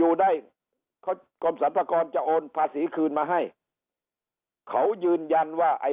อยู่ได้เขากรมสรรพากรจะโอนภาษีคืนมาให้เขายืนยันว่าไอ้